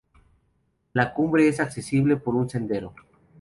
La cumbre es accesible por un sendero.